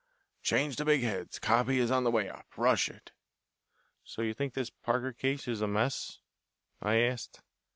Change the big heads copy is on the way up rush it." "So you think this Parker case is a mess?" I asked.